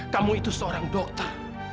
kamu itu seorang dokter